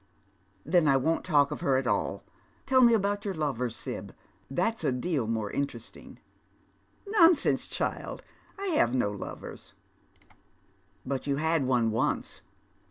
" Then I won't talk of her at all. Tell me about your lovers, Sib, that's a deal more interesting." " Nonsense, child ! I have no lovera," *' But you had one once.